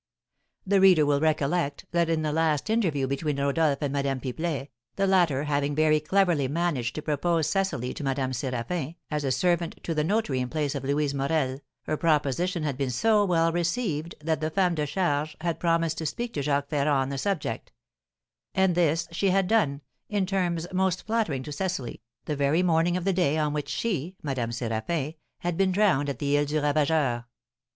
The reader will recollect that in the last interview between Rodolph and Madame Pipelet, the latter having very cleverly managed to propose Cecily to Madame Séraphin, as a servant to the notary in place of Louise Morel, her proposition had been so well received that the femme de charge had promised to speak to Jacques Ferrand on the subject; and this she had done, in terms most flattering to Cecily, the very morning of the day on which she (Madame Séraphin) had been drowned at the Isle du Ravageur.